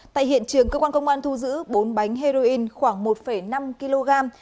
tại hiện trường cơ quan công an thu giữ bốn bánh heroin khoảng một năm kg